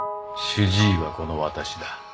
主治医はこの私だ。